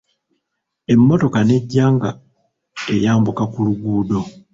Emmotoka n'ejja nga eyambuka ku luguudo.